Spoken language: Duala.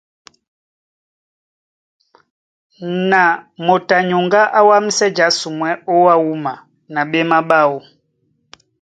Na moto a nyuŋgá á wámsɛ jásumwɛ́ ó wá wúma na ɓémaɓáọ.